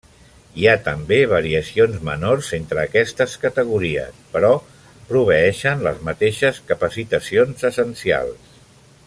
Hi ha també variacions menors entre aquestes categories però proveeixen les mateixes capacitacions essencials.